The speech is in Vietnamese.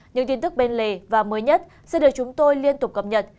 những tin tức bên lề và mới nhất sẽ được chúng tôi liên tục cập nhật